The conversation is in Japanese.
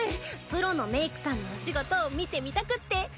プロのメイクさんのお仕事見てみたくって。